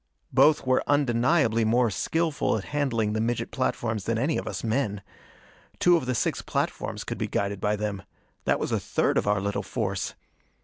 Both were undeniably more skilful at handling the midget platforms than any of us men. Two of the six platforms could be guided by them. That was a third of our little force!